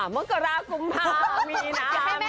มแกรกุมภาทมีนามีนาเมซา